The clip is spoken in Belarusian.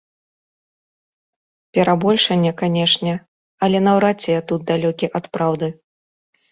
Перабольшанне, канечне, але наўрад ці я тут далёкі ад праўды.